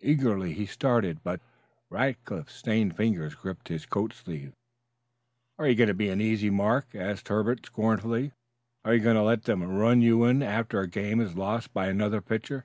Eagerly he started, but Rackliff's stained fingers gripped his coatsleeve. "Are you going to be an easy mark?" asked Herbert scornfully. "Are you going to let them run you in after a game is lost by another pitcher?